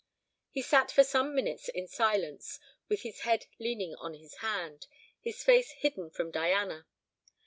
He sat for some minutes in silence, with his head leaning on his hand, his face hidden from Diana.